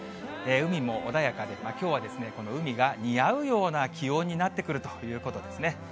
海も穏やかで、きょうはこの海が似合うような気温になってくるということですね。